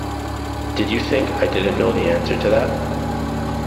Did you think I didn’t know the answer to that?